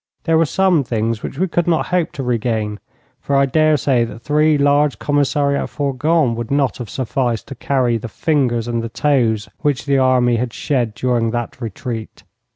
There were some things which we could not hope to regain, for I daresay that three large commissariat fourgons would not have sufficed to carry the fingers and the toes which the army had shed during that retreat.